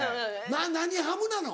何ハムなの？